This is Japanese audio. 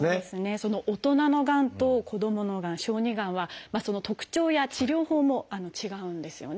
その大人のがんと子どものがん小児がんはその特徴や治療法も違うんですよね。